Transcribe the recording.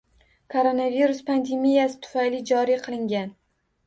Koronavirus pandemiyasi tufayli joriy qilingan.